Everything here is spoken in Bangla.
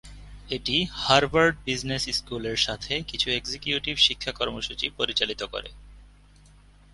এটি হার্ভার্ড বিজনেস স্কুল এর সাথে কিছু এক্সিকিউটিভ শিক্ষা কর্মসূচী পরিচালিত করে।